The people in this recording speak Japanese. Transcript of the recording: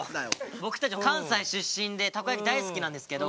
僕たち関西出身でたこ焼き大好きなんですけど。